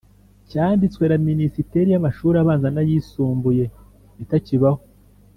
cyanditswe na minisiteri y’amashuri abanza n’ayisumbuye (itakibaho)